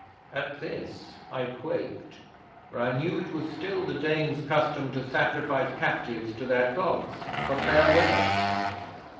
'At this I quaked, for I knew it was still the Danes' custom to sacrifice captives to their Gods for fair weather.